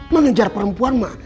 mengejar perempuan mak